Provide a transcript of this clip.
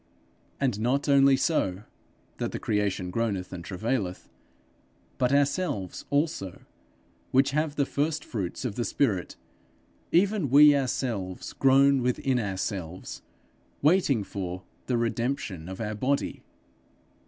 'And not only so' that the creation groaneth and travaileth 'but ourselves also, which have the first fruits of the spirit, even we ourselves groan within ourselves, waiting for.... the redemption of our body.'